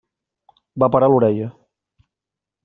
Va parar l'orella.